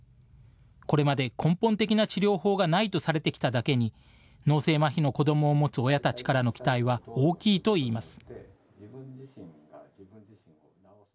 これまで根本的な治療法がないとされてきただけに、脳性まひの子どもを持つ親たちからの期待は大きいといいます。